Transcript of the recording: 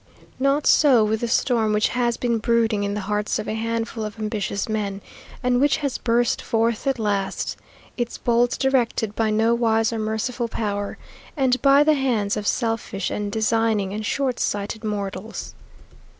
Not so with the storm which has been brooding in the hearts of a handful of ambitious men, and which has burst forth at last, its bolts directed by no wise or merciful power, and by the hands of selfish and designing and short sighted mortals.